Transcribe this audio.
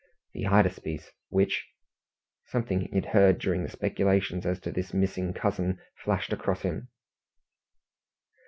The Hydaspes which something he had heard during the speculations as to this missing cousin flashed across him.